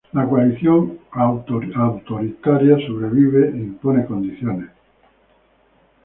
La coalición autoritaria sobrevive e impone condiciones.